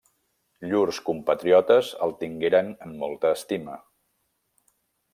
Llurs compatriotes el tingueren en molta estima.